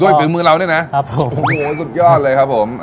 ด้วยฝึกมือเราด้วยนะครับผมโอ้โหสุดยอดเลยครับผมเออ